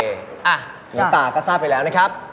อย่างนี้แปลวก็ทราบไปแล้วนะครับ